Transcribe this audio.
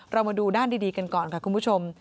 เรามาดูด้านดีกันก่อนค่ะคุณผู้ชม